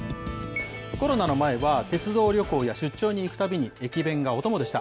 コロナの前は、鉄道旅行や出張に行くたびに駅弁がお供でした。